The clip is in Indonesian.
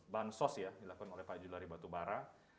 bahan sos ya dilakukan oleh pak juliari batubara